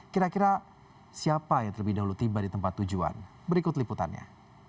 kira kira siapa yang terlebih dahulu tiba di tempat tujuan berikut liputannya